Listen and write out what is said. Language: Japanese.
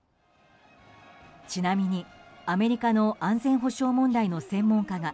ちなみにアメリカの安全保障問題の専門家が